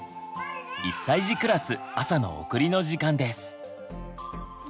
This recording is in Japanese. １歳児クラス朝の送りの時間です。